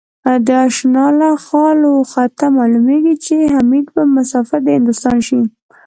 د آشناله خال و خطه معلومېږي ـ چې حمیدبه مسافر دهندوستان شي